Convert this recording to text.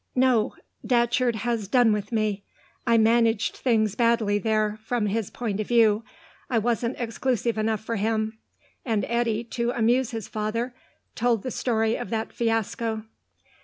"No. Datcherd has done with me. I managed things badly there, from his point of view. I wasn't exclusive enough for him," and Eddy, to amuse his father, told the story of that fiasco.